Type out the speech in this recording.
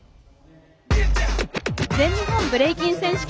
全日本ブレイキン選手権。